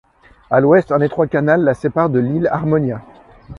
A l'ouest, un étroit canal la sépare de l'île Armonía.